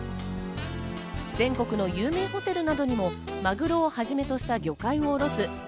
全国の有名ホテルなどにもマグロをはじめとした魚介をおろす